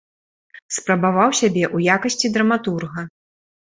Спрабаваў сябе ў якасці драматурга.